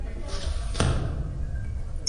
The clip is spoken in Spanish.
No existe ningún núcleo de relevancia en su curso.